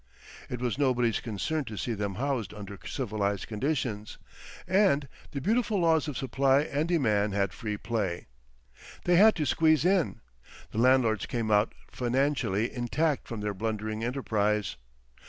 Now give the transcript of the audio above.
It was nobody's concern to see them housed under civilised conditions, and the beautiful laws of supply and demand had free play. They had to squeeze in. The landlords came out financially intact from their blundering enterprise.